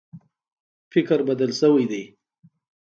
فکر بدل شوی دی.